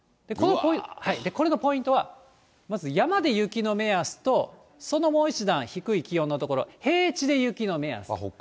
これのポイントは、まず山で雪の目安と、そのもう一段低い気温の所、平地で雪の目安。